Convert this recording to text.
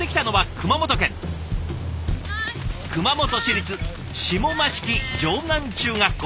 熊本市立下益城城南中学校。